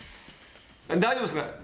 大丈夫ですか。